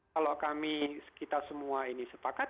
kalau kami kita semua ini sepakat